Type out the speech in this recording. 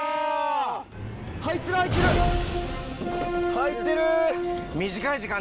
入ってる！